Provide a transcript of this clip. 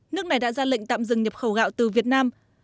nước này đã ra lệnh tạm dừng nhập khẩu gạo từ việt nam